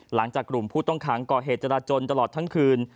หลังจากกลุ่มผู้ต้องขังก่อเหตุจราจนตลอดทั้งคืน